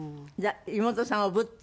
妹さんをおぶって？